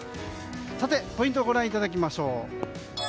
さて、ポイントをご覧いただきましょう。